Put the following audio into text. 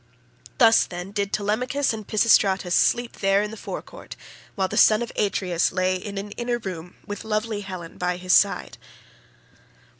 Thus, then, did Telemachus and Pisistratus sleep there in the forecourt, while the son of Atreus lay in an inner room with lovely Helen by his side.